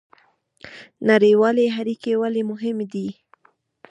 نړیوالې اړیکې ولې مهمې دي؟